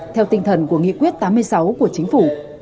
theo tinh thần của nghị quyết tám mươi sáu của chính phủ